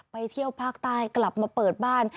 เที่ยวภาคใต้กลับมาเปิดบ้าน